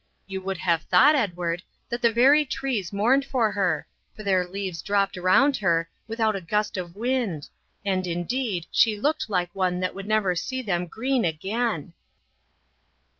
You would have thought, Edward, that the very trees mourned for her, for their leaves dropt around her without a gust of wind, and, indeed, she looked like one that would never see them green again.'